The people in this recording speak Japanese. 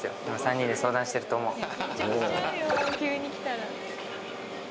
・３人で相談してると思う。